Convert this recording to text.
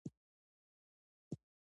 د دې مانا جنوبي بیزو ده.